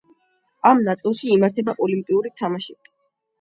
ამ ნაწილში იმართება ოლიმპიური თამაშები.